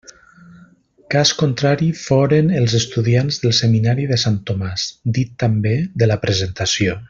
Cas contrari foren els estudiants del seminari de Sant Tomàs, dit també de la Presentació.